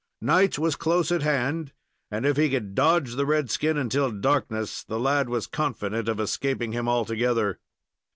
Night was close at hand, and, if he could dodge the red skin until darkness, the lad was confident of escaping him altogether.